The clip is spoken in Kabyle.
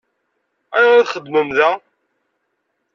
Ayɣer i txeddmem da?